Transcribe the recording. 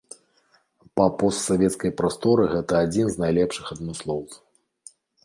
Па постсавецкай прасторы гэта адзін з найлепшых адмыслоўцаў.